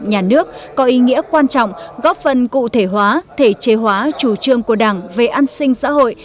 nhà nước có ý nghĩa quan trọng góp phần cụ thể hóa thể chế hóa chủ trương của đảng về an sinh xã hội